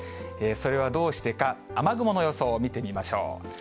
それはどうしてか、雨雲の予想を見てみましょう。